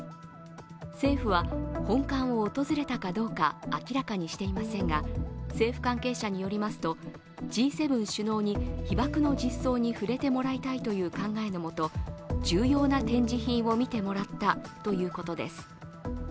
政府は、本館を訪れたかどうか明らかにしていませんが政府関係者によりますと、Ｇ７首脳に被爆の実相に触れてもらいたいという考えのもと重要な展示品を見てもらったということです。